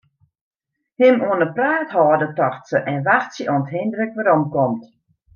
Him oan 'e praat hâlde, tocht se, en wachtsje oant Hindrik weromkomt.